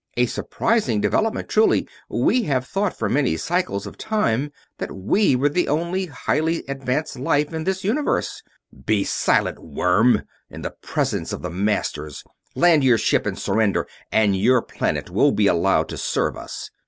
A surprising development, truly we have thought for many cycles of time that we were the only highly advanced life in this universe...." "Be silent, worm, in the presence of the Masters. Land your ship and surrender, and your planet will be allowed to serve us.